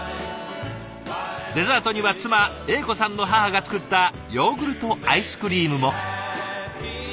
デザートには妻英子さんの母が作ったヨーグルトアイスクリームも。